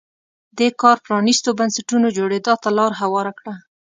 دې کار پرانیستو بنسټونو جوړېدا ته لار هواره کړه.